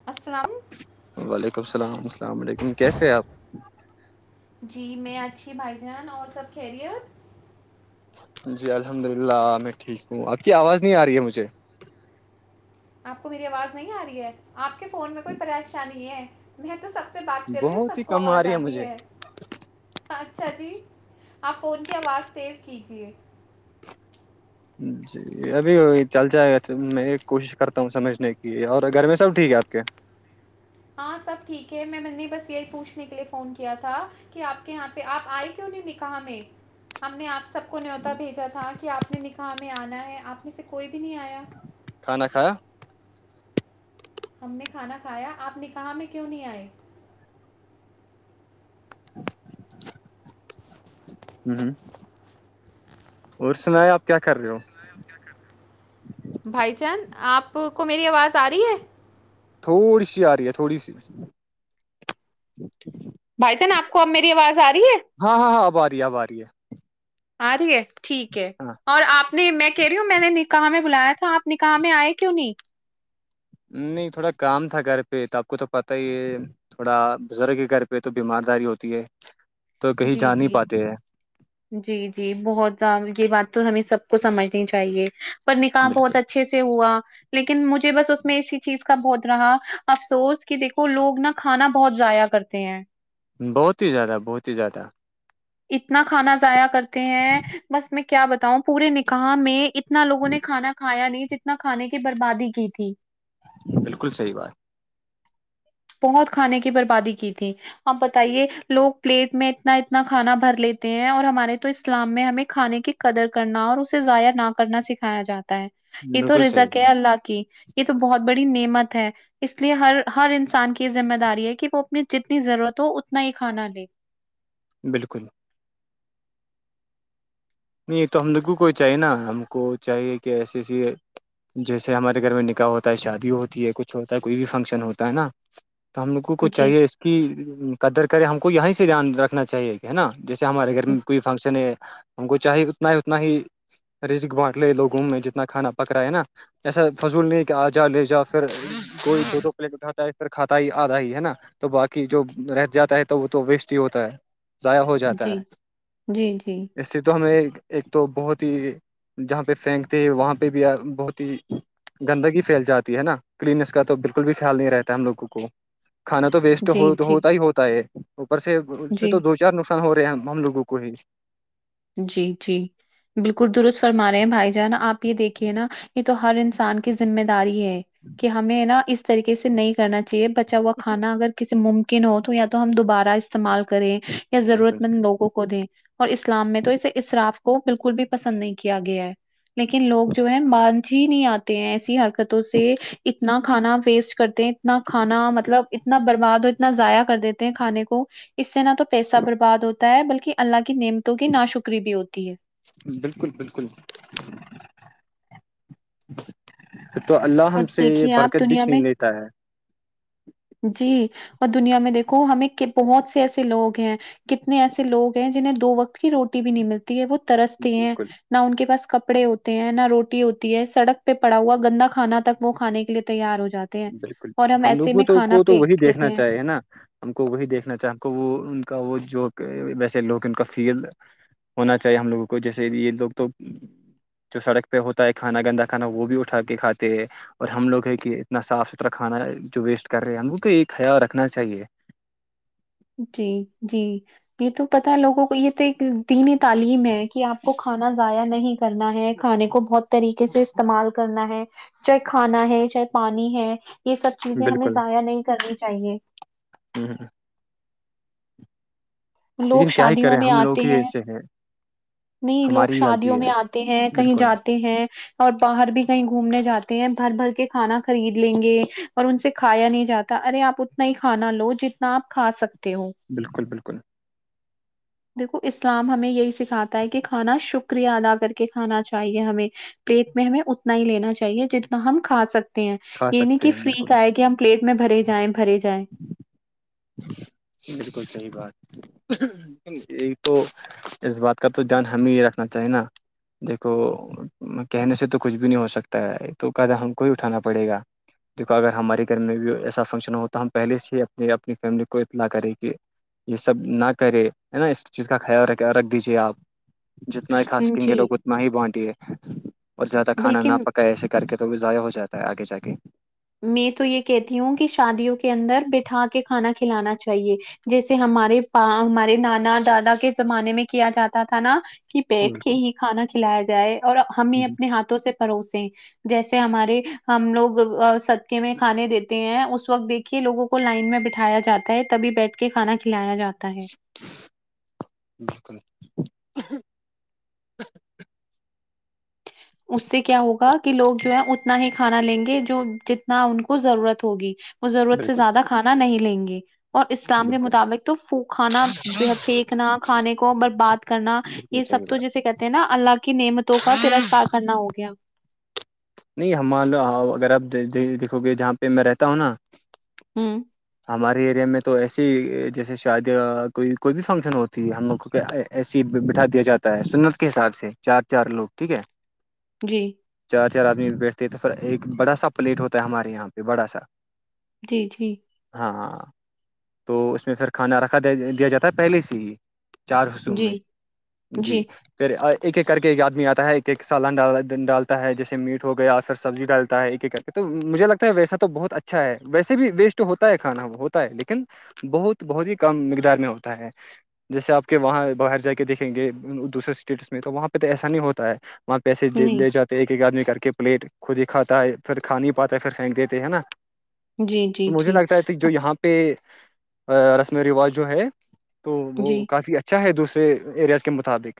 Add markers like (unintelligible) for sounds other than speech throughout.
(unintelligible) السلام علیکم کیسے ہیں اپ (unintelligible) جی میں اچھی بھائی جان اور سب کہ رہی ہے آپ (unintelligible) جی الحمد للہ میں ٹھیک ہوں آپ کی آواز نہیں آ رہی ہے مجھے آپ کو میری آواز نہیں آ رہی ہے آپ کے فون میں کوئی پریشانی ہے میں تو سب سے بات کر رہی ہوں بہت ہی سب کو کم آ آواز رہی آتی مجھے ہے اچھا جی آپ فون کی آواز تیز کیجیے ہوں جی (unintelligible) یہ ابھی چل جائے گا میں ایک کوشش کرتا ہوں سمجھنے کی اور گرمی سب ٹھیک ہے آپ کے (unintelligible) ہاں سب ٹھیک ہے میں میں نے بس یہی پوچھنے کے لیے فون کیا تھا کہ آپ کے یہاں پہ آپ آئے کیوں نہیں نکا میں (unintelligible) ہم نے آپ سب کو نیوتا بھیجا تھا کہ آپ نے ن کہا ہمیں آنا ہے آپ میں سے کوئی بھی نہیں آیا (unintelligible) تھانا کا (unintelligible) ہم نے کھانا کھایا آپ نے کہا میں کیوں نہیں آئے (unintelligible) ہوں ہ اور سنایں آپ کیا کر رہے ہو بھائی چان آپ کو میری آواز آ رہی ہے تھوڑی سی آ رہی ہے تھوڑی سی بھائی جان آپ کو اب میری آواز آ رہی ہے ہاں ہاں ہاں آباری ہے آباری ہے (unintelligible) آ رہی ہے ٹھیک ہے ہاں اور آپ نہیں میں کہ رہی ہوں میں نے نکا میں بلایا تھا آپ نکاح میں آئے کیوں نہیں نہیں تھوڑا کام تھا گھر پہ تو آپ کو تو پت ہی ہے (unintelligible) تھوڑا بزرگ کے گھر پہ تو بیمار داری ہوتی ہے تو کہیں جی جا نہیں جی پاتے ہیں جی جی بہت یہ بات تو ہمیں سب کو سمجھنی چاہیے پر نکح بہت بالکل اچھے سے ہوا لیکن مجھے بس اس میں اسی چیز کا بہت رہا افسوس کہ دیکھو لوگ نا کھانا بہت ضائع کرتے ہیں بہت ہی زیادہ بہت ہی زیادہ اتنا کھانا ضاع کرتے ہیں (unintelligible) بس میں کیا بتاؤں پورے نکاح میں اتنا لوگوں نے کھانا کھایا نہیں جتنا کھانے کی بربادی کی تھی بالکل صحی بات بہنت کھانے کی بربادی کی تھی (unintelligible) آپ بتائیے لوگ پلیٹ میں اتنا اتنا کھانا بھر لیتے ہیں اور ہمارے تو اسلام میں ہمیں کھانے کے قدر کرنا اور اسے ضائع نہ کرنا سکھایا جاتا ہے یہ تو بالکل صحیح رزک بات ہے اللہ کی یہ تو بہت بڑی نعمت ہے اس لیے ہر ہر ان سان کی یہ ذمہ داری ہے کہ وہ اپنی جتنی ضرورت ہو اتنا ہی کھانا لے (unintelligible) بالکل نہیں تو ہم لوگوں کو چاہیے نا ہم کو چاہیے کہ ایسی ایسی جیسے ہمارے گھر میں نکاح ہوتا ہے شادی ہوتی ہے کچھ ہوتا ہے کوئی بھی فنکشن ہوتا ہے نا تو ہم لوگوں کو جی چاہیے اس کی قدر کرے ہم کو یہیں سے دھیان رکھنا چاہیے ہے نا جیسے ہمارے گھر میں کوئی فنکشن ہے ہم کو چاہے اتنا ہی اتنا ہی رسک بانٹ لے لوگوں میں جتنا کھانا پک رہا ہے نا (unintelligible) ایسا فضول نہیں کہ آ جا لے جا پھر کوئی فوٹو پلک اٹھاتا ہے پھر کھاتا ہی آدا ہی ہے نا (unintelligible) تو باقی جو رہ جاتا ہے تو وہ تو ویسٹ ہی ہوتا ہے ضائع ہو جاتا جی ہے جی جی اس سے تو ہمیں ایک تو بہت ہی جہاں پہ پھینکتے ہیں وہاں پہ بھی بہت ہی گندگی پھیل جاتی ہے نا کلینس کا تو بالکل بھی خیال نہیں رہتا ہے ہم لوگوں کو کھانا تو ویسٹ جی جی ہوتا ہی ہوتا ہے اوپر سے اس میں جی تو دو چار نسخ ہو رہے ہیں ہم لوگوں کو ہی جی جی بالکل درست فرما رہے ہیں بھائی جانا آپ یہ دیکھیے نا یہ تو ہر انسان کی ذمہ داری ہے کہ ہمیں نا اس طریقے سے نہیں کرنا ج بچا ہوا کھانا اگر کسی ممکن ہو تو یا تو ہم دوبارہ استعمال کریں بالکل ضرورت مند لوگوں کوود ہیں اسلام میں تو اسے اراف کو بالکل بھی پسند نہیں کیا گیا ہے لیکن لوگ جو ہے ب جی نہیں آتے ہیں ایسی حرکتوں سے اتنا کھانا ویسٹ کرتے ہیں اتنا کھانا مطلب اتنا برباد ہو اتنا ضائع کر دیتے ہیں کھانے کو اس سے نہ تو پیسہ برباد ہوتا ہے بلکہ اللہ کی نعمتوں کی نا شکری بھی ہوتی ہے بالکل بالکل تو اللہ اور ہم سے یہ دیکھیے آپ برکت بھی دنیا میں چھین لیتا ہے (unintelligible) جی اور دنیا میں دیکو ہمیں بہت سے ایسے لوگ ہیں کتنے ایسے لوگ ہیں جنہیں دو وقت کی روٹی بھی نہیں ملتی ہے وہ ترستے ہیں بالکل نہ ان کے پاس کپڑے ہوتے ہیں نہ روٹی ہوتی ہے سڑک پہ پڑا ہوا گندا کھانا تک وہ کھانے کے لیے تیار ہو جاتا بالکل بالکل ہم لوگوں کو تو وہی دیتے دیکھنا ہیں چاہیے (unintelligible) نا ہم کو وہی دیکھنا چاہے ہم کو وہ ان کا وہ جو ویسے لوگ ان کا فیل (unintelligible) ہونا چاہیے ہم لوگوں کو جیسے یہ لوگ تو جو سڑک پہ ہوتا ہے کھانا گندا کھانا وہ بھی اٹھا کے کھاتے ہے اور ہم لوگ ہے کہ نہ صاف ستھرا کھانا جو ویسٹ کر رہے ہیں ہم کو کو ایک خیال رکھنا چاہیے جی جی یہ تو پتا ہے لوگوں کو یہ تو ایک دین تعلیم ہے کہ آپ کو کھانا ضائع نہیں کرنا ہے کھانے کو بہت طریقے سے استعمال کرنا ہے چاہے کھانا ہے چاہے پانی ہے یہ سب چیزیں ہمیں ضائع نہیں کرنی چاہیے ہ ہ (unintelligible) لوگ لیکن کیا ہی شادیوں کریں میں ہم آتے لوگ ہی ہیں ایسے نہیں لوگ ہماری ہی غلطی شادیوں ہے میں آتے ہیں کہیں بالکل جاتے ہیں اور باہر بھی کہیں گھومنے جاتے ہیں بھر بھر کے کھانا خرید لیں گے اور ان سے کھایا نہیں جاتا ارے آپ اتنا ہی کھانا لو جتنا آپ کھا سکتے ہو بالکل بالکل دیکھو اسلام ہمیں یہی سکھاتا ہے کہ کھانا شکریہ ادا کر کے کھانا چاہیے ہمیں پلیٹ میں ہمیں اتنا ہی لینا چاہیے جتنا ہم کھا سکتے ہیں کھا یہ نہیں سکتے کہ ہیں بالکل فرییک آئے کہ ہم پلیٹ میں بھرے جائیں بھرے جائیں بالکل صحیح بات یہ تو اس بات کا تو دھیان ہمیں یہ رکھنا چاہیے نا (unintelligible) دیکھو کہنے سے تو کچھ بھی نہیں ہو سکتا ہے تو قدہ ہم کو ہی اٹھانا پڑے گا د اگر ہمارے گھر میں بھی ایسا فنکشن ہو تو ہم پہلے سے ہی اپنی اپنی فیملی کو اطلاع کریں کہ یہ سب نہ کرے ہے نا اس چیز کا خیال رکھ رکھ دیجے آپ (unintelligible) جتنا ہی کھا سکیں گے جی لوگ اتنا ہی بانٹیے اور زیادہ کھانا نہ بالکل پکا سک (unintelligible) کر کے تو بھی ضائع ہو جاتا ہے آگے جا کے میں تو یہ کہتی ہوں کہ شادیوں کے اندر بٹھا کے کھانا کھلانا چاہیے جیسے ہمارے پ ہمارے نانا دادا کے زمانے میں کیا جاتا تھا نا کہ بیٹھ کے بالکل ہی کھانا کھلایا جائے اور ہمیں اپنے ہاتھ سے پروسے جیسے ہمارے ہم لوگ (unintelligible) سدکے میں کھانے دیتے ہیں اس وقت دیکھیے لووں کو لائن میں بٹھایا جاتا ہے تبھی بیٹھ کے کے کھانا کھلایا جاتا ہے بالکل (unintelligible) اس سے کیا ہوگا کہ لوگ جو ہے اتنا ہی کھانا لیں گے جو جتنا ان کو ضرورت ہوگی اس ضرورت سے بالکل زیادہ کھانا نہیں لیں گے اور اسلام کے بالکل مطابق تو کھانا پھینکنا کھانے کو برباد کرنا بالکل یہ سب صحیح تو بات جیسے کہتے ہیں نا اللہ کی نعمتوں کا ترسکار کرنا ہو گیا نہیں ہمان لو اگر آپ دیکھو گے جہاں پہ میں رہتا ہوں نا ہوں ہمارے ایریا میں تو ایسی جیسے شادی کوئی کوئی بھی فنکشن ہوتی ہے ہم لوگ کو کہ ایسی ہی بٹھا دیا جاتا ہے سنت کے حساب سے چار چار لوگ ٹھیک ہے جی چار چار آدمی بیٹھتے تو پھر ایک بڑا سا پلیٹ ہوتا ہے ہمارے یہاں پہ بڑا سا جی جی ہاں ہاں تو اس میں پھر کھانا رکھا دیا جاتا ہے پہلے سے ہی چار حصو جی میں جی پھر ایک ایک کر کے ایک آدمی آتا ہے ایک ایک سالنال ڈالتا ہے جس میٹ ہو گیا پھر سبزی ڈالتا ہے یہ کرتے تو مجھے لگتا ہے ویسا تو بہت اچھا ہے ویسے بھی ویسٹ تو ہوتا ہے کھانا وہ ہوتا ہے لیکن بہت بہت ہی کم مقدار میں ہوتا ہے جیسے آپ کے وہاں باہر جا کے دیکھیں گے دوسرے اسٹیٹس میں تو وہاں پہ تو ایسا نہیں ہوتا ہے وہاں پیسے نہیں لے جاتے ایک ایک آدمی کر کے پلیٹ خود ہی کھاتا ہے پھر کھا نہیں پاتا ہے پھر پھینک دیتے ہے نا جی تو جی مجھے جی لگتا ہے کہ جو ہاں، یہاں پہ پہ رسم و رواج جو ہے تو وہ جی کافی اچھا چاہے دوسرے ایریاز کے مطابق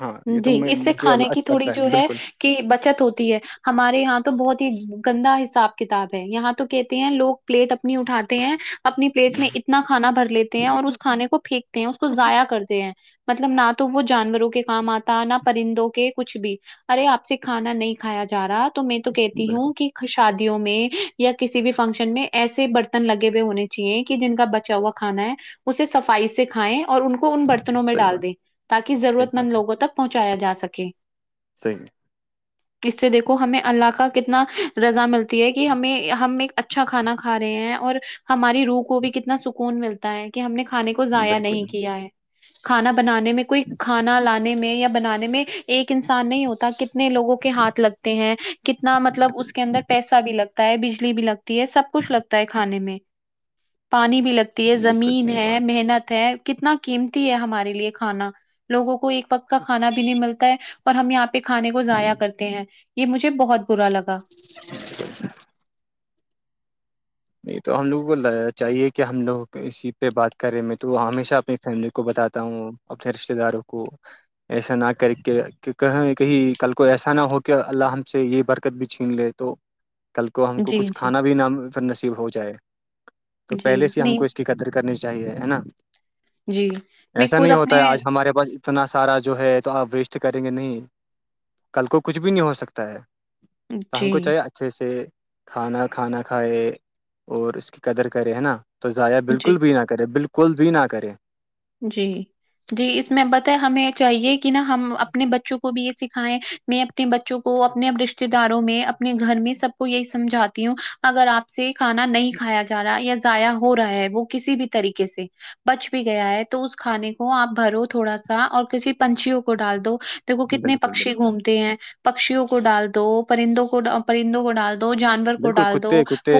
ہاں یہ جی تو میں اس سے مجھے کھانے کی اچھا تھوڑی لگتا جو ہے بالکل کہ بچت ہوتی ہے ہمارے یہاں تو بہت ہی گندا حساب کتاب ہے یہاں تو کہتے ہیں لوگ پلیٹ اپنی اٹاتے ہیں اپنی پلیٹ میں اتنا کھانا بھر لیتے ہیں اور اس کھانے کو پھینک اس کو ضائع کرتے ہیں مطلب نہ تو وہ جانوروں کے کام آتا نہ پرندوں کے کچھ بھی ارے آپ سے کھانا نہیں کھایا جا رہا تو میں تو کہتی بالکل ہوں کہ شادیوں میں یا کسی بھی فنکشن میں ایسے برتن لگے ہوئے ہونے چاہیے کہ جن کا بچا ہوا کھانا ہے اسے سفائی سے کھائےیں اور ان کو ان برتنوں میں صحیح ڈال بات دیں تاکہ ہے صحیح ضرورت بات مند لوگوں تک پہنچایا جا سکے صحی اس سے دیکھو ہمیں اللہ کا کتنا رزا ملتی ہے کہ ہمیں ہم ایک ا اچھا کھانا کھا رہے ہیں اور ہماری روح کو بھی کتنا سکون ملتا ہے کہ ہم نے کھانے کو ضائع بالکل نہیں کیا ہے کھانا بنانے میں کوئی ک لانے میں یا بنانے میں ایک انسان نہیں ہوتا کہ کتنے لوگوں کے ہاتھ لگتے ہیں کتنا مطلب اس کے اندر پیسہ بھی لگتا ہے بجلی بھی لگتی ہے سب کچھ لگتا ہے کھانے میں پانی بھی لگتا بالکل زمین صحیح ہے بات محنت ہے کتنا قیمتی ہے ہمارے لیے کھانا لوگوں کو ایک پقت کا کھانا بھی نہیں ملتا ہے اور ہم یہاں پہ کھانے کو ضائیا کرتے ہیں یہ مجھے بہت برا لگا (unintelligible) نہیں تو ہم لوگوں کو چاہیے کہ ہم لوگ اسسی پہ بات کریں میں تو ہمیشہ اپنی فیملی کو بتاتا ہوں اپنے رشتے داروں کو ایسا نہ کر کے کہ کہیں کل کو ایسا نہ ہو کہ اللہ ہم سے یہ بر کت بھی چھین لے تو کل کو ہم کو جی کچھ جی کھانا بھی نہ نصیب ہو جائے تو جی پہلے سے ہم کو نہیں اس کی قدر کرنی چاہیے ہے نا جی میں ایسا خود نہیں ہوتا اپنے ہے آج ہمارے پاس اتنا سارا جو ہے تو آپ ویسٹ کریں گے نہیں کل کو کچھ بھی نہیں ہو سکتا ہے تو ہم جی کو چاہیے اچھے سے کھانا کھانا کھائے اور اس کی قدر کرے ہے نا تو ضائع جی بالکل بھی نہ کرے بالکل بھی نہ کرے جی جی اس میں بتیں ہمیں چاہیے کہ نا ہم اپنے بچوں کو بھی یہ سکھائیں میں اپنے بچوں کو اپنے رشتے داروں میں اپنے گھر میں سب کو یہی سمجھاتی ہوں اگر آپ سے کھانا نہیں کھایا جا رہا ہے یا ضائع ہو رہا ہے وہ کسی بھی طریقے سے بچ بھی گیا ہے تو اس کھانے کو آپ بھرو تھوڑا سا اور کسی پنچھیوں کو ڈال دو دیکو کتنے بالکل پکشی بالکل گھومتے ہیں پکشیوں کو ڈال دو پرندوں کو پرندوں کو ڈال دو جان بالکل کتے کتے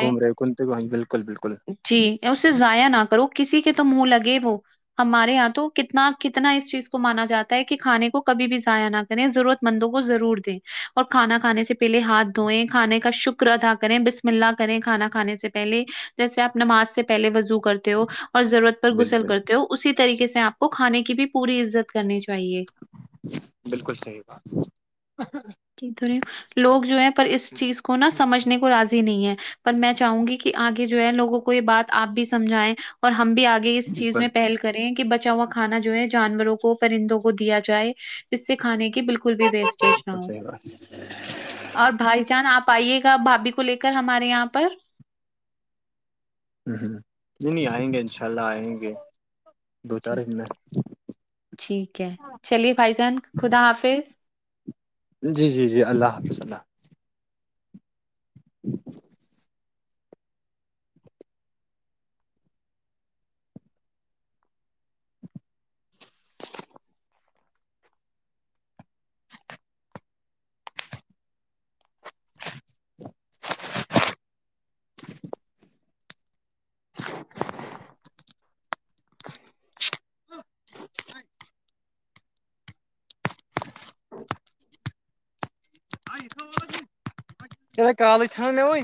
گھوم رہے کنتے گ بالکل بالکل جی یا اسے ضائع نہ کرو کسی کے تو منہ لگے وہ ہمارے یہاں تو کتنا کتنا اس چیز کو مانا جاتا ہے کہ کھانے کو کبھی بھی ضائع نہ ضرورت مندوں کو ضرور دیں اور کھانا کھے سے پہلے ہاتھ دھوئیں کھانے کا شکر ادا کریں بسپ ملا کریں کھانا کھانے سے پہلے جیسے آپ نماز سے پہلے وضوع کرتے ہو اور ضرورت پر گسل بالکل کرتے ہو اسی طریقے سے آپ کو کھانے کی بھی پوری عزت کرنی چاہیے بالکل صحی بات تو لوگ جو ہے پر اس چیز کو نا سمجھنے کو راضی نہیں ہے پر میں چاہوں گی کہ آگے جو ہے لوگوں کو یہ بات آپ بھی سمجھائیں اور ہم بھی آگے اس چیز بالکل میں پہل کر کریں کہ بچا ہوا کھانا جو ہے جانوروں کو پرندوں کو دیا جائے جس سے کھانے کی بالکل بالکل بھی ویسٹیج نہ ہو ہاں اور بھائی جان آپ آئیے گا بھابھی کو لے کر ہمارے یہاں پر ہ ہ نہیں نہیں آئیں گے ان شاء اللہ آئیں گے دو چار جی د میں ٹھیک ہے چلیے بھائی جان خدا حافظ جی جی جی اللہ حافظ اللہ (unintelligible) (unintelligible) کالج چان میں وہ